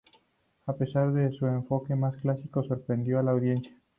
A pesar de su enfoque más clásico, sorprendió a la audiencia.